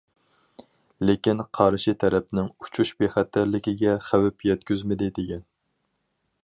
لېكىن قارشى تەرەپنىڭ ئۇچۇش بىخەتەرلىكىگە خەۋپ يەتكۈزمىدى، دېگەن.